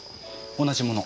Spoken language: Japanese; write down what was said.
同じもの。